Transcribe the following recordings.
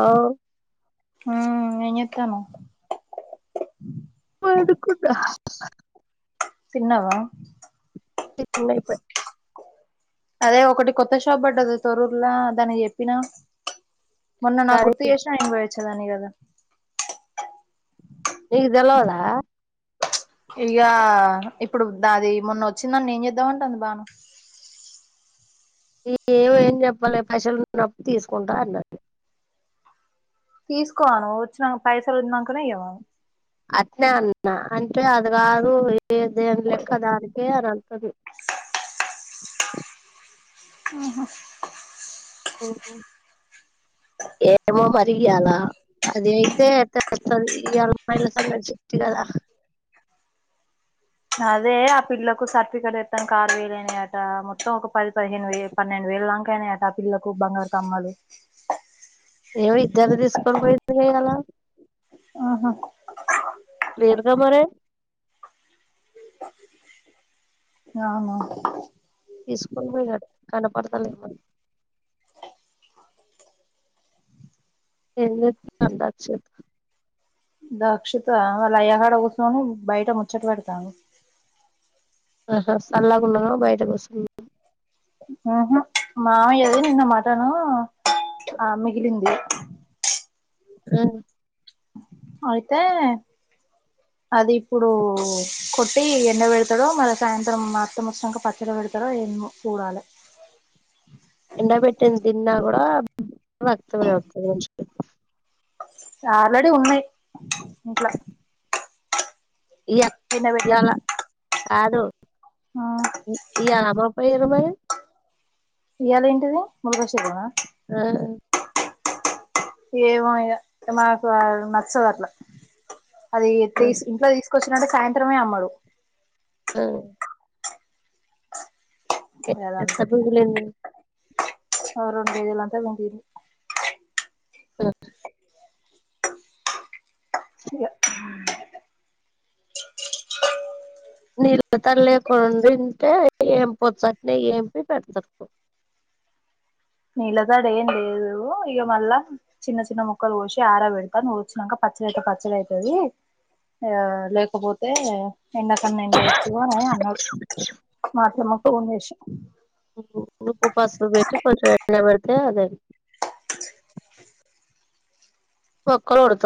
అవు ఆ ఎన్ చెట్టనవ్ పడుకున్న తిన్నవా తిన్న ఐప్ అదే ఒకటి కొత్త షాప్ పడ్డది తొరూర్లా దాన్ని చెప్పినా మొన్న నా సరే గుర్తు చెస్నా నేను పోయి వచ్చదాని కద [unintelligible] తెలవధ ఇక ఇప్పుడు దది మొన్న వచ్చిందన్ని ఏం చేద్దామంటది బాను ఏమ ఏం చెప్పాలి పసలున్నప్పుడు తీసుకుంటా అన్న తీసుకోను వచ్చినాక పైసలు వనాకనే ఇవ్వను అట్నే అన్న అంటే అది కాదు ఏదే లెక్క దానికి అ అది ఓహో ఓహో ఏమో మరి ఈయాల అది అయితే తెలుస్తది ఇయ్యాల అమ్మాయిల సంగతి చెప్తి కదా అదే ఆ పిల్లకు సర్టిఫికెట్ తెత్తానికి ఆరు వేలు అయ్యినాయట మొత్తం ఒక పది పదిహేను వే పన్నెండు వే [unintelligible] అయినాయట పిల్లకు బంగారు కమ్మలు ఏమి ఇద్దరిని తీసుకొని పోయిండ్రుగా ఇయ్యాల ఆహా లేరుగా మరి అవును తీసుకొని పోయిక కనపడతలే మరి ఏం చేతదంట అంతసేపు దాక్షిత వాళ్ళ అయ్యాకాడ కూర్చొని బయట ముచ్చట పెడతాంది ఆహా సాల్లగున్నదొ బయట కూసున్నది హ్మ్ హు మామయ్యది నిన్న మటను ఆ మిగిలింది హ్మ్ అయితే అది ఇప్పుడు కొట్టి ఎండబెడుతాడో మళ్ల సాయంత్రం మా అత్తమ్మ వచ్చినంక పచ్చడి పెడతారో ఏమో చూడాలే ఎండబెట్టింది తిన్నా కూడా [unintelligible] ఆల్రెడీ ఉన్నాయ్ ఇంట్లో ఇగ ఈయాల కాదు [unintelligible] ఆ ఇరవే ఇయాల ఏంటిది మూర్గశిర ఆ [unintelligible] ఏమో ఇగ మాకు నచ్చవు అట్లా అది ఆ తీసి ఇంట్లో తీసుకొచ్చినంటే సాయంత్రమే అమ్మడు హ్మ్ ఇగ [unintelligible] అ రెండు వేలుంటే పంపిండ్రి ఆ ఇగ [unintelligible] నీళ్ళతడి ఏం లేదు ఇగ మల్ల చిన్న చిన్న ముక్కలు కోసి ఆరబెడతా నువ్వొచ్చి నంక పచ్చగైతే పచ్చగాయితది లేకపోతే ఎం పనేండు ఏయచ్చు అని అన్నాడు మా అత్తమ్మ ఫోన్ చేసి ఉప్పు పసుపు పెట్టి కొంచెం ఎండబెడితే అదే పొక్కులు ఊడుత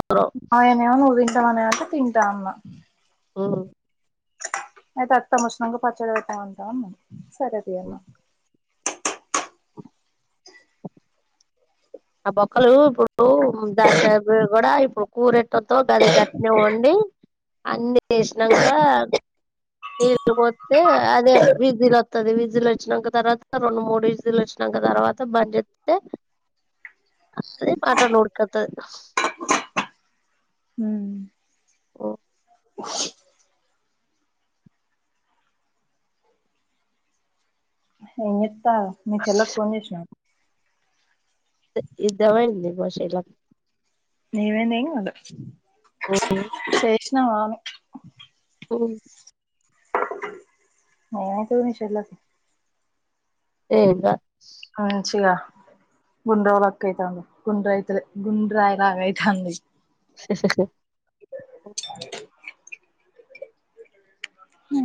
ఆయనేమో నువ్వు తింటావనే అంటే తింటా అన్న హ్మ్ అయితే అత్తమ్మ వచ్చినంక పచ్చడి పెట్టమంటావా అన్నా సరే తి అన్న ఆ బొక్కలు ఇప్పుడు దాంటే అవిగుడా కూడా ఇప్పుడు కూరె ట్టొదు గది గట్నే వొండి అన్ని ఏసినంక నీళ్ళు పోత్తే అదే విజిల్ ఒత్తది విజిల్ వచ్చినంక తర్వాత రెండు మూడు విజులు వచ్చినంక తర్వాత బంద్ చెత్తే అదే మటన్ ఉడకతది ఓ ఏం చేతన్నావ్ మీ చెల్లికి ఫోన్ చేసినా నిదపోయింది మా చెల్ల నీవేందేం కాదు చేసినవానే హు [unintelligible] ఏంద మంచిగా [unintelligible] స హు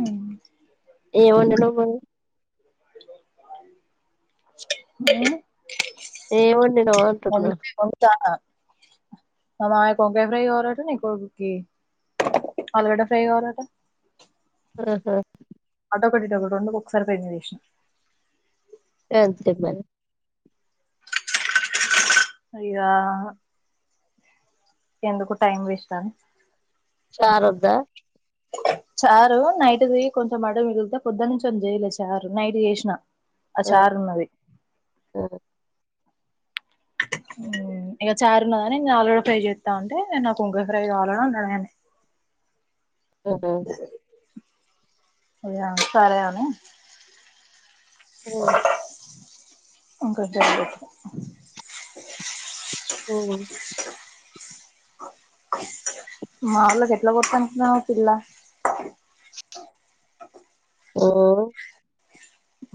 ఎం వొండినావ్ మరి అ ఏం వండినవ్ ఉ అంటున్నా ఉంటా మా [unintelligible] అల గడ్డ ఫ్రై కావాలట ఆహా [unintelligible] రెండు ఒక్కసారి నీ చేసిన అంతే మరి అయ్యా ఎందుకు టైం వేస్ట్ అని చరోద్దా చారు నైట్ది కొంచెం మడ మిగిలితే పొద్దున్న నుంచి చేయలే చారు నైట్ చేసిన ఆ చారు ఉన్నది ఆ అ ఇక చారున్నదని నే ఆలు గడ్డ ఫ్రై చేస్తా అంటే నాకు వంకాయ్ ఫ్రై కావాలని అన్నాడు ఆయన ఓహో ఇగ సరే అని ఇంకా [inaudible] ఉమ్ మా ఊర్లోకెట్ల పోతదనుకున్నవు ఆ పిల్ల హూమ్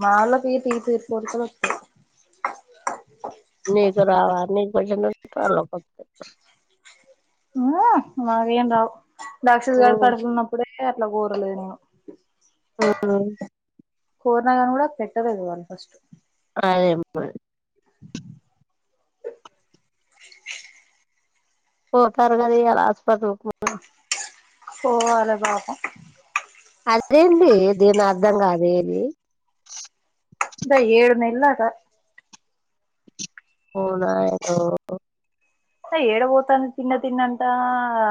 మా వొళ్ళకి తీ [unintelligible] కోరిక లొత్తై నీకురావ నీకు పుట్టినందుకు ఆల్లకొత్తై అహ్హ ఏం రావు దక్షిత్ గాడు కడుపులో ఉన్నప్పుడే అట్లా కోరలేదు నేను ఊమ్ కోరినాను గానీ గూడా పెట్టలేదు వాళ్ళు ఫస్ట్ అదేం పుల్ ఓ త్వరగా దిగరా ఆస్పటల్ కి పోదాం పోవాలె పాపం అదేందే దీని అర్ధం కాదేది బా ఏడు నెల్లు దాక ఫోనా ఎత్తరు త ఏడ పోతాను తిన్న తిన్నంటా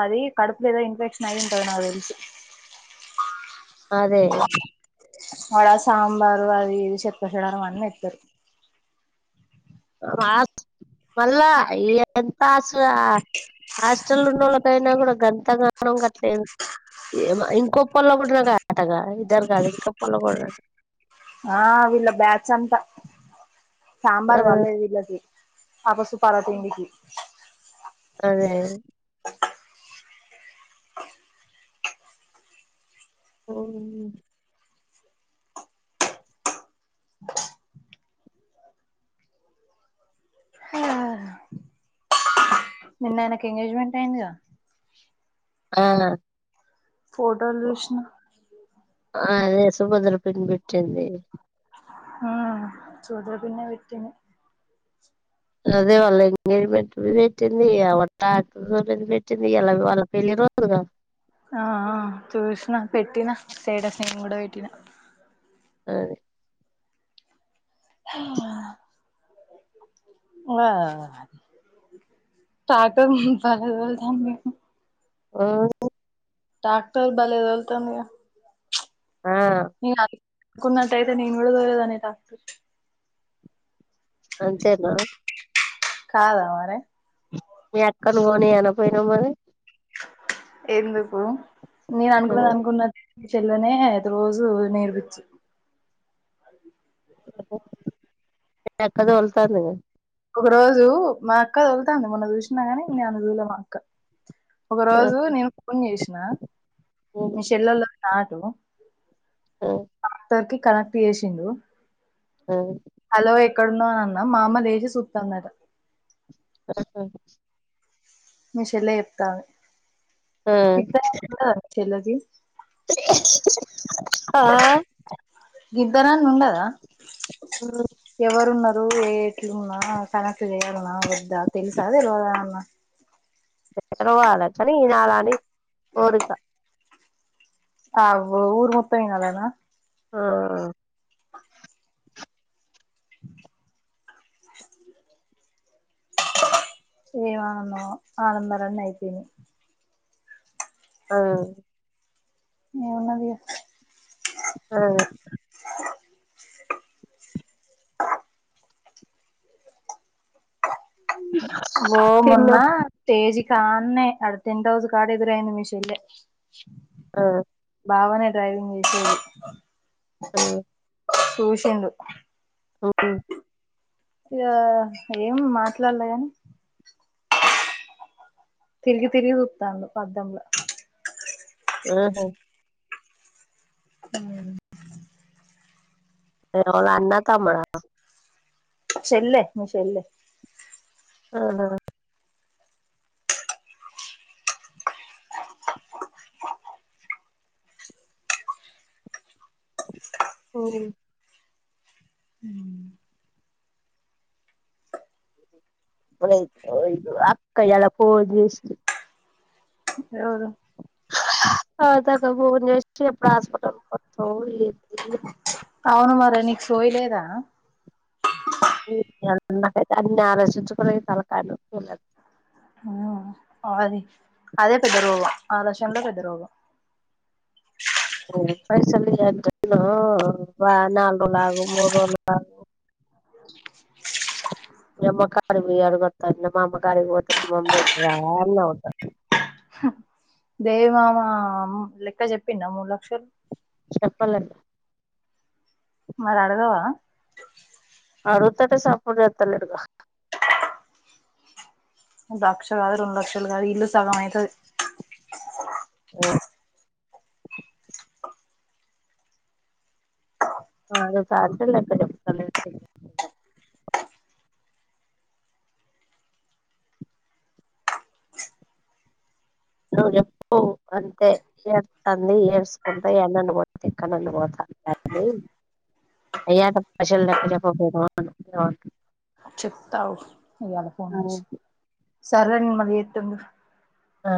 అది కడుపులో ఏదో ఇన్ఫెక్షన్ అయింటది నాకు తెలుసి అదే అడ సాంబారు అవి ఇవి చెత్త చెదారం అన్ని ఎత్తారు [unintelligible] మళ్ళా ఈ ఎంత అసలా హాస్టల్లో ఉన్న వాళ్ళకైనా గూడా గంతగానం గట్లేదు. ఏమో ఇంకొ పుల్ల గూడ [unintelligible] ట గా ఇద్దరు గాదు ఇంకొ పుల్ల గూడా ఆ వీళ్ళ బ్యాచ్ అంతా ఆ సాంబార్ పల్లేదు వీళ్ళకి అప్పొస్సు పార తిండికి అదే ఉమ్ నిన్న ఆయనకి ఎంగేజ్మెంట్ అయిందిగా ఆ ఫోటోలు చూసిన ఆ అదే సుభద్ర పిన్ని పెట్టింది. హుమ్ సుభద్ర పిన్నే పెట్టింది అదే వాళ్ళ ఎంగేజ్మెంట్ ది పెట్టింది ఆ వాడు ట్రాక్టర్ తోలేది పెట్టింది ఇయ్యాల ఇగ వాళ్ళ పెళ్ళి రోజు గా ఆ ఆ చూసిన పెట్టినా స్టేటస్ నేను గూడ పెట్టినా అది ఆ ట్రాక్టర్ బలే తోల్తం మేము ఉమ్మ్ ట్రాక్టర్ బలే తోల్తుంది గా ఆ నేను అను కున్నట్టయితే నేను గూడ తోలేదాన్ని ట్రాక్టర్ అంతేనా కాదా మరి మీ అక్కని కోని అనపోయినవ మరి ఎందుకు నేను ఆ అనుకున్నది అనుకున్నట్ చెల్లె అనే అది రోజు నేర్పిచ్చి మీ అక్క తోల్తాంది గా ఒక రోజు మా అక్క తోల్తాంది మొన్న చూసినా గాని నన్ను చుళ్ళే మా అక్క ఒక ఆ రోజు నేను ఫోన్ చేసిన మీ చెల్లొల్లు రా అటు ఓ కనెక్ట్ చేసిండు అ హలో ఎక్కడున్నావ్ అని అన్న మా అమ్మ లేసి చూస్తాందట ఆహా మీ చెల్లె చెప్తంది ఆ కట్ట ఉన్నద మీ చెల్లేదీ ఆ గిద్దరాని ఉండదా ఎవరున్నారు ఏ కనెక్ట్ చేయాల్న వద్దా తెలుసా తెల్వద ఏమన్నా కలవాలా కానీ ఈనాలా అని కోరిక అవ్వో ఊరు మొత్తం ఇనాలనా ఓ [inaudible] ఏం ఆనందమో ఆనందాలన్ని అయిపోయినయి ఓ ఏ ఉది [unintelligible] సరే ఓ మొన్న తిన్ను తేజి కాడ్నే అ టెన్ హౌస్ కాడ ఎదురైంది మీ చెల్లె ఆ బాగనే డ్రైవింగ్ చేసేది ఆ చూసిండు మ్మ్ ఇగ ఏం మాట్లాడలేగాని తిరిగి తిరిగి చుత్తండు అద్దంల ఓహో అవు [inaudible] ఎవలు అన్నా తమ్ముడా చెల్లె మా చెల్లె ఆహా మ్ అక్కలా పోసి ఎవర్వురు అ త కబప్పు హాస్పిట కొ అవును మరి నీకు సోయిలేదా కైతే [unintelligible] అన్ని ఆలోచించుకుంటే తలకాయ నొప్పి మ్మ్ అది అదే పెద్ద రోగం ఆలోచనలే పెద్ద రోగం [inaudible] పైసలులుంట వా నాలుగు రోజులు ఆగు మూడులు రోజులు ఆగు [inaudible] మీ అమ్మకాడ అడుగుత మా అమ్మ కాడ పొతే దేవి మామ లెక్క చెప్పిండ మూడు లక్షలు చెప్పలేదు మరి అడగవా అడుగుతటే సప్పుడు జెత్తలేడుగ లక్ష కాదు రెండు లక్షలు కాదు ఇల్లు సగం అయితది ఆ ఆ అ సారితక్క చె [unintelligible] నువ్ చెప్పు అంతే ఏడుస్తుంది ఏడుస్కుంటకుంటా ఎన అను పోత ఎక్కన అన్న పోతా అసలు [unintelligible] లెక్క చెప్పకపోతే [inaudible] చెప్తావు ఇయ్యాల ఫోన్ చేసి సరే నువ్వు [unintelligible] ఆ